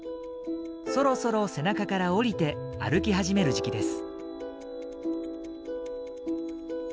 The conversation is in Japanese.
そろそろ背中から降りて歩き始める時期です。